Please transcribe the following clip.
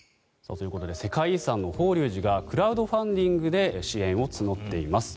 ということで世界遺産の法隆寺がクラウドファンディングで支援を募っています。